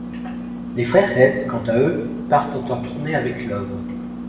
Les frères Head quant-à-eux partent en tournée avec Love.